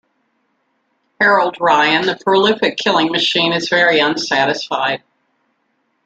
Harold Ryan, the prolific killing machine, is very unsatisfied.